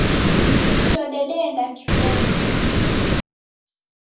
Icho dedeenda kifonyi